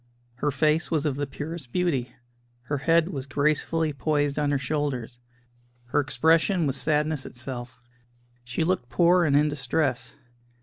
Her face was of the purest beauty; her head was gracefully poised on her shoulders; her expression was sadness itself. She looked poor and in distress.